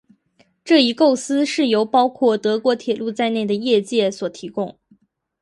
这一构思是由包括德国铁路在内的业界所提供。